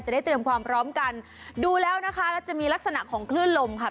ได้เตรียมความพร้อมกันดูแล้วนะคะแล้วจะมีลักษณะของคลื่นลมค่ะ